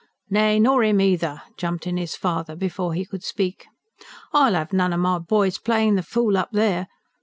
"Nay, nor 'im eether," jumped in his father, before he could speak. "I'll 'ave none o' my boys playin' the fool up there.